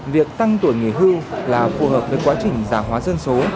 việc tăng tuổi nghỉ hưu là phù hợp với quá trình giả hóa dân số